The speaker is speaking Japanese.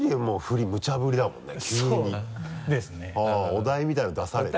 お題みたいなの出されて。